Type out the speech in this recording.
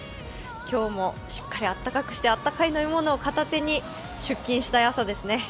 今日もしっかり暖かくして温かい飲み物を片手に出勤したい朝ですね。